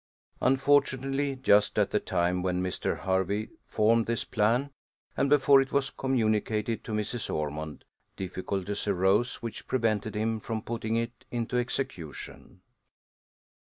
Unfortunately, just at the time when Mr. Hervey formed this plan, and before it was communicated to Mrs. Ormond, difficulties arose which prevented him from putting it into execution.